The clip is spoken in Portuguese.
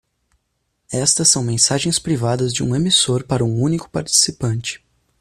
Estas são mensagens privadas de um emissor para um único participante.